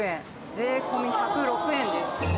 税込み１０６円です。